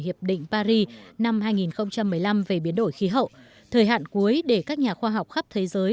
hiệp định paris năm hai nghìn một mươi năm về biến đổi khí hậu thời hạn cuối để các nhà khoa học khắp thế giới